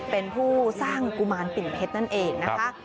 เป็นผู้สร้างกุมารปิ่นเพชรนั่นเองนะคะ